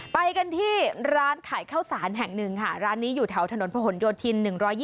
ไปกันที่ร้านขายข้าวสารแห่งหนึ่งค่ะร้านนี้อยู่แถวถนนพระหลโยธิน๑๒๒